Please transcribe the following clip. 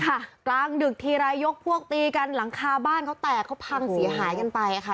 กลางดึกทีรายยกพวกตีกันหลังคาบ้านเขาแตกเขาพังเสียหายกันไปค่ะ